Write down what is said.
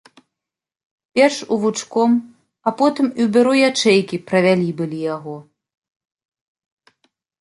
Перш у вучком, а потым і ў бюро ячэйкі правялі былі яго.